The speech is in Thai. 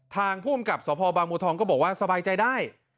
ทางผู้อำกับสพบางบุธองก็บอกว่าสบายใจได้